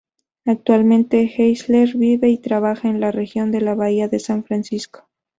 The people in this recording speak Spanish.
Actualmente Eisler vive y trabaja en la región de la bahía de San Francisco.